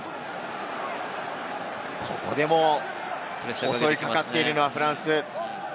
ここでも襲いかかっているのはフランス。